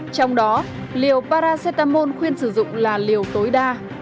trong đó liều paracetamol khuyên sử dụng là liều tối đa